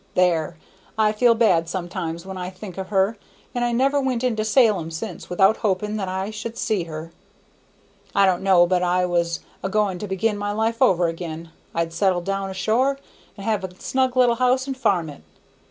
There! I feel bad sometimes when I think of her, and I never went into Salem since without hoping that I should see her. I don't know but if I was a going to begin my life over again, I'd settle down ashore and have a snug little house and farm it.